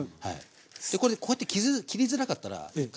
これこうやって切りづらかったら一回